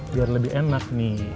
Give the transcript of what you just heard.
biar lebih enak nih